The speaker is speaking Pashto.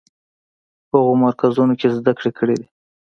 هغو مرکزونو کې زده کړې کړې دي.